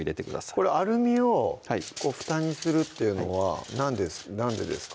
これアルミをふたにするっていうのはなんでですか？